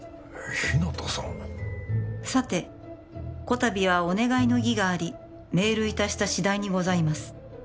日向さん「さて此度はお願いの儀があり」「メール致した次第にございます」